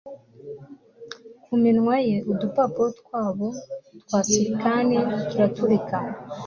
Ku minwa ye udupapuro twabo twa silikani turaturika